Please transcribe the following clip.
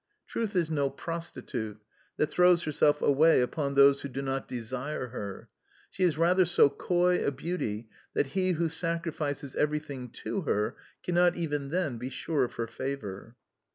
Truth is no prostitute, that throws herself away upon those who do not desire her; she is rather so coy a beauty that he who sacrifices everything to her cannot even then be sure of her favour.